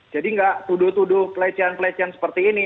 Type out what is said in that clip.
jadi enggak tuduh tuduh pelecehan pelecehan seperti ini